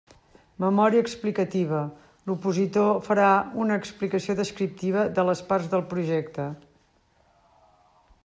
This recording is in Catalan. Memòria explicativa: l'opositor farà una explicació descriptiva de les parts del projecte.